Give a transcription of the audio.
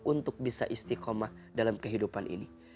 untuk bisa istiqomah dalam kehidupan ini